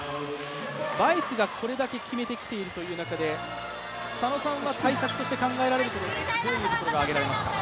バイスがこれだけ決めてきているという中で、対策として考えられることはどういうことがありますか？